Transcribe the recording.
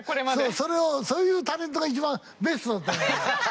それをそういうタレントが一番ベストだと思う。